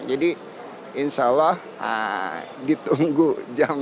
jadi insya allah ditunggu jam dua puluh empat